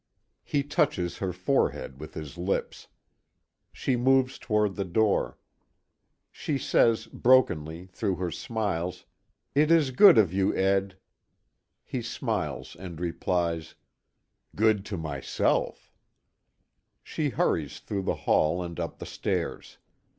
He touches her forehead with his lips. She moves toward the door. She says brokenly, through her smiles: "It is good of you, Ed." He smiles and replies: "Good to myself." She hurries through the hall and up the stairs.